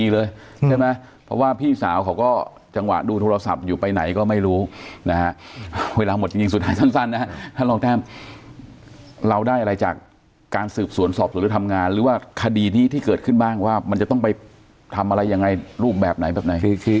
เราได้อะไรจากการสืบสวนสอบสวนธรรมงานหรือว่าคดีนี้ที่เกิดขึ้นบ้างว่ามันจะต้องไปทำอะไรยังไงรูปแบบไหนแบบไหน